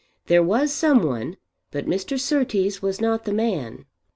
There was some one, but Mr. Surtees was not the man.